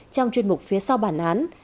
trong chuyên mục phía sau bản án